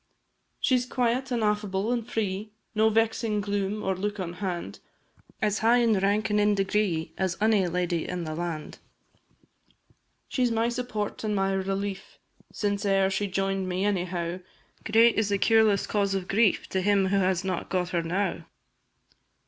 She 's quiet, an' affable, an' free, No vexing gloom or look at hand, As high in rank and in degree As any lady in the land; She 's my support and my relief, Since e'er she join'd me, any how; Great is the cureless cause of grief To him who has not got her now!